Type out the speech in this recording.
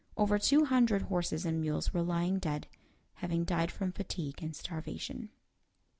Over two hundred horses and mules were lying dead, having died from fatigue and starvation.